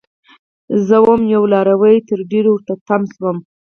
زه وم یو لاروی؛ تر ډيرو ورته تم شوم